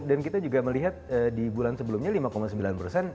dan kita juga melihat di bulan sebelumnya lima sembilan persen